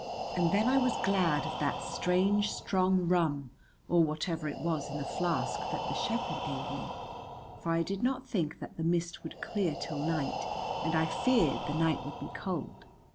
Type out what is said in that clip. And then I was glad of that strange strong rum, or whatever it was in the flask that the shepherd gave me, for I did not think that the mist would clear till night, and I feared the night would be cold.